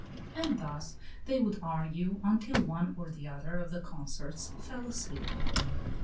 And thus they would argue until one or the other of the consorts fell asleep.